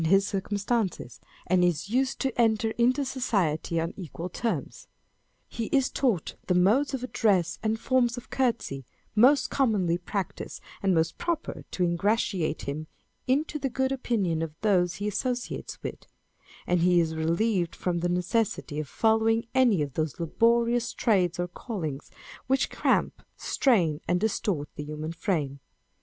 299 his circumstances, and is used to enter into society on equal terms ; he is taught the modes of address and forms of courtesy most commonly practised and most proper to ingratiate him into the good opinion of those he associates with ; and he is relieved from the necessity of following any of those laborious trades or callings which cramp, strain, and distort the human frame.